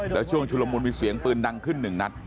แล้วช่วงชุลมุนมีเสียงปืนดังขึ้นหนึ่งนัด